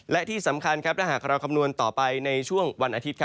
และที่สำคัญถ้าหากเราคำนวณต่อไปในช่วงวันอาทิตย์